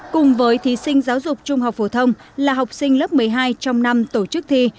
cùng với thí sinh giáo dục trung học phổ thông là học sinh lớp một mươi hai trong năm tổ chức thi